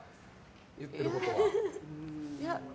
言ってることは。